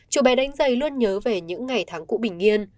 chủ bài đánh giày luôn nhớ về những ngày thắng cụ bình yên